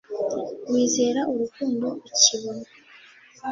Wizera urukundo ukibona